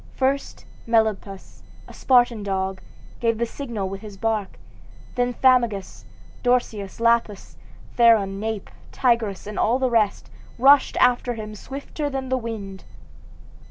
First Melampus, a Spartan dog, gave the signal with his bark, then Pamphagus, Dorceus, Lelaps, Theron, Nape, Tigris, and all the rest, rushed after him swifter than the wind.